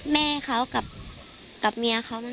แม่เขากับเมียเขา